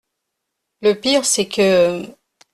Le pire c’est que…